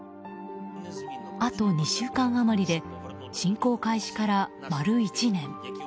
あと２週間余りで侵攻開始から丸１年。